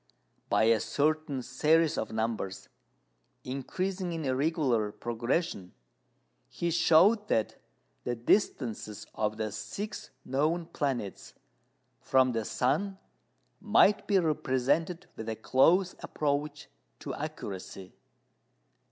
By a certain series of numbers, increasing in regular progression, he showed that the distances of the six known planets from the sun might be represented with a close approach to accuracy.